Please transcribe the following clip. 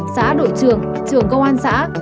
xã đội trưởng trưởng công an xã